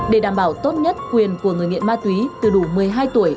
để đảm bảo tốt nhất quyền của người nghiện ma túy từ đủ một mươi hai tuổi